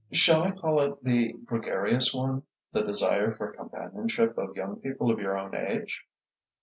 "Shall I call it the gregarious one, the desire for companionship of young people of your own age?"